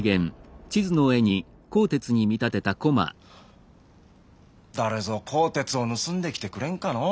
ハァ誰ぞ「甲鉄」を盗んできてくれんかのう。